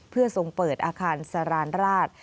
เพื่อทรงเปิดอาคารสรานราช